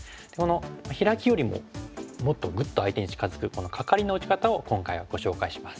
ヒラキよりももっとグッと相手に近づくカカリの打ち方を今回はご紹介します。